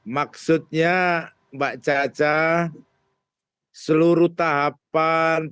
maksudnya mbak jaca seluruh tahapan perjuangan